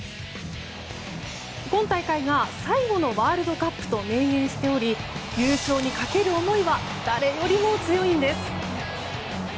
今大会が最後のワールドカップと明言しており優勝にかける思いは誰よりも強いんです。